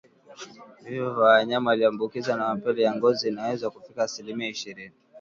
Vifo vya wanyama walioambukizwa mapele ya ngozi inaweza kufikia asilimia ishirini